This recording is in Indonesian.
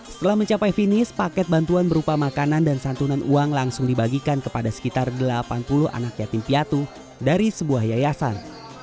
setelah mencapai finish paket bantuan berupa makanan dan santunan uang langsung dibagikan kepada sekitar delapan puluh anak yatim piatu dari sebuah yayasan